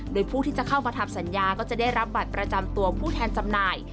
โดยผู้ที่จะเข้ามาทำสัญญาก็จะได้รับบัตรประจำตัวผู้แทนจำหน่าย